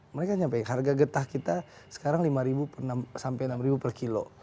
mereka nyampe harga getah kita sekarang rp lima sampai rp enam per kilo